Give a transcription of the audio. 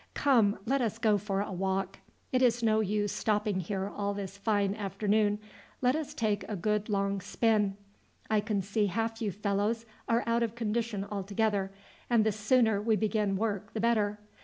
"Come, let us go for a walk; it is no use stopping here all this fine afternoon. Let us take a good long spin. I can see half you fellows are out of condition altogether, and the sooner we begin work the better.